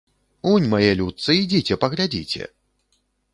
Унь, мае людцы, ідзіце, паглядзіце!